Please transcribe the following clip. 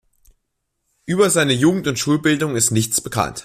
Über seine Jugend und Schulbildung ist nichts bekannt.